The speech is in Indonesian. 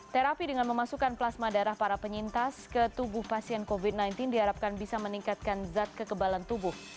terapi dengan memasukkan plasma darah para penyintas ke tubuh pasien covid sembilan belas diharapkan bisa meningkatkan zat kekebalan tubuh